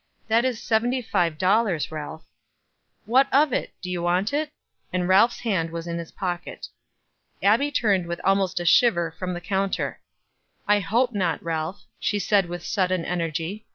"That is seventy five dollars, Ralph." "What of that? Do you want it?" And Ralph's hand was in his pocket. Abbie turned with almost a shiver from the counter. "I hope not, Ralph," she said with sudden energy.